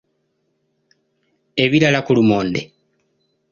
Ebirala ku lumonde.